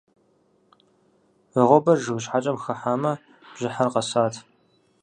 Вагъуэбэр жыг щхьэкӏэм хыхьамэ бжьыхьэр къэсат.